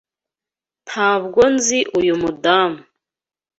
Ntabwo nzi uyu mudamu.